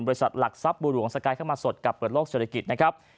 บริษัทหลักทรัพย์บุหรวงสกายเข้ามาสดกับเปิดโลกเจรกิจนะครับ